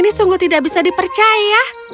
ini sungguh tidak bisa dipercaya